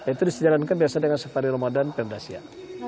itu disenjalankan dengan biasa dengan safari ramadan pemda siak